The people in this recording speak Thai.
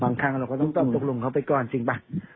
ทางเราก็ต้องตอบตกลงเขาไปก่อนจริงป่ะ